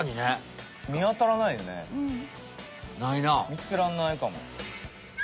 見つけらんないかも。